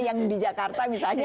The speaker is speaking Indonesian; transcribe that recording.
yang di jakarta misalnya